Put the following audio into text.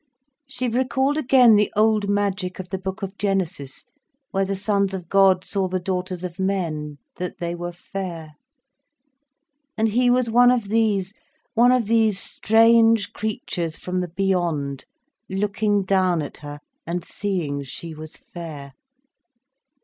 She recalled again the old magic of the Book of Genesis, where the sons of God saw the daughters of men, that they were fair. And he was one of these, one of these strange creatures from the beyond, looking down at her, and seeing she was fair.